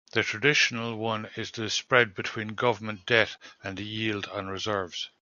The traditional one is the spread between government debt and the yield on reserves.